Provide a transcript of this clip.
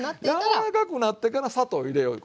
柔らかくなってから砂糖入れよういうこと。